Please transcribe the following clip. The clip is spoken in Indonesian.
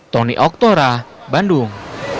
tony oktora bandung